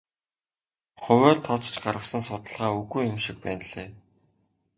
Хувиар тооцож гаргасан судалгаа үгүй юм шиг байна лээ.